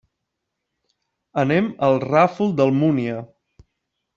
Anem al Ràfol d'Almúnia.